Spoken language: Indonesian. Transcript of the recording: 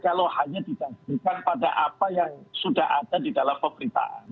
kalau hanya didasarkan pada apa yang sudah ada di dalam pemberitaan